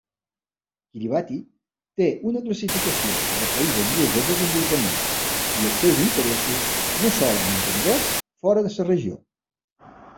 Kiribati té una classificació de país en vies de desenvolupament i els seus interessos no solen estendre"s fora de la regió.